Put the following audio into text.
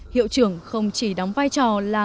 hiệu trưởng không chỉ đóng vai trò là